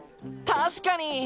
確かに。